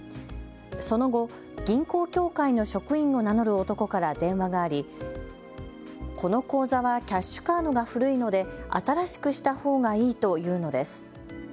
その後、銀行協会の職員を名乗る男から電話がありこの口座はキャッシュカードが古いので新しくしたほうがいいと言うのです。